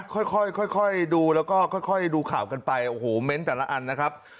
ค่อยดูแล้วก็ค่อยดูข่าวกันไปโอ้โหเม้นต์แต่ละอันนะครับ